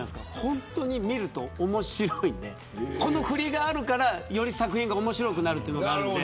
本当に見ると面白くてこのふりがあるからより作品が面白くなるというのがあるんで。